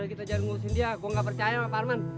udah kita jangan ngurusin dia gue gak percaya sama pak arman